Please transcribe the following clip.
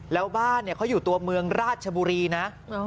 แล้วบ้านเขาอยู่ตัวเมืองราชบุรีนะ